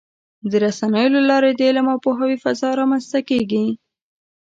د رسنیو له لارې د علم او پوهاوي فضا رامنځته کېږي.